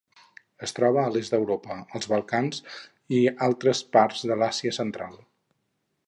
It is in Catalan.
Es troba a l'est d'Europa, als Balcans i altres parts de l'Àsia Central.